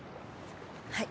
はい。